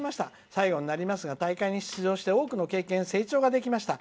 最後になりますが大会に出場して多くの経験成長ができました。